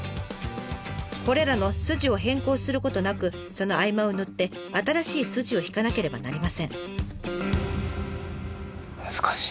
これらのスジを変更することなくその合間を縫って新しいスジを引かなければなりません。